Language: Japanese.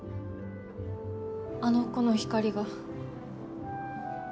あの子の光が。